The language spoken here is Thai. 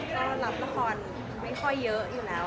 ก็รับละครไม่ค่อยเยอะอยู่แล้ว